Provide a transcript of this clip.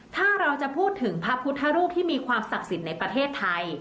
ถ้าเราจะพูดถึงพระพุทธรูปที่มีความศักดิ์สิทธิ์ในประเทศไทย